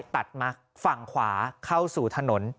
ตัดมาฝั่งขวาเข้าสู่ถนน